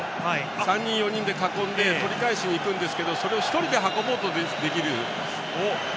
３人、４人で囲んで取り返しに行くんですけどそれを１人で運ぼうとする。